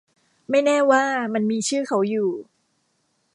ไม่แน่ว่ามันมีชื่อเขาอยู่